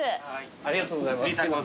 ありがとうございます。